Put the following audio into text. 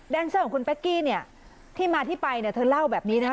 แดนเซอร์ของคุณเป๊กกี้ที่มาที่ไปเธอเล่าอย่างนี้นะคะ